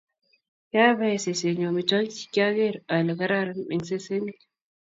Kiabae seset nyun amitwokik che kaiker ale kararan eng sesenik